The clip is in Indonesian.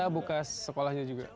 kita buka sekolahnya juga